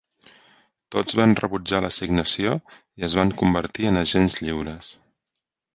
Tots van rebutjar l'assignació i es van convertir en agents lliures.